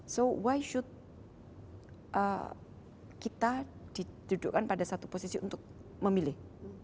jadi kenapa kita harus didudukkan pada satu posisi untuk memilih